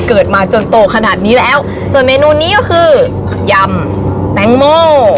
เกิดมาจนโตขนาดนี้แล้วส่วนเมนูนี้ก็คือยำแตงโม